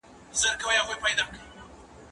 زه زده کړه کړي دي؟!